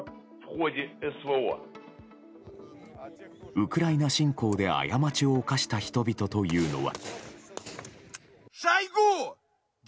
ウクライナ侵攻で過ちを犯した人々というのは。